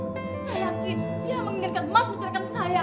saya yakin dia menginginkan mas menceritakan saya